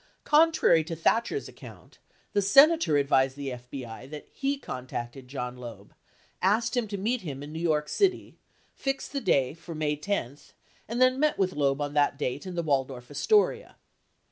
Contrary to Thatcher's account, the Senator advised the FBI that lie contacted John Loeb, asked him to meet him in New York City, fixed the date for May 10, and then met with Loeb on that date in the Waldorf Astoria.